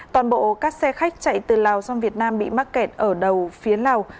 toàn bộ các xe khách chạy từ lào sang việt nam bị mắc kẹt ở đầu phía lào